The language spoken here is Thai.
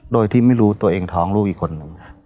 โดยที่ไม่รู้ตัวเองท้องลูกอีกคนนึง